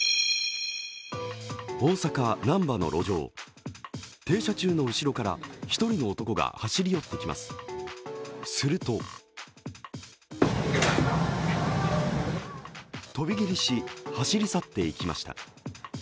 大阪・難波の路上停車中の後ろから１人の男が走り寄ってきます、すると飛び蹴りし走り去っていきました。